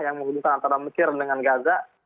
yang menghubungkan antara mesir dengan gaza